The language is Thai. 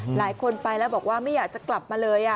หลายคนไปแล้วบอกว่าไม่อยากจะกลับมาเลย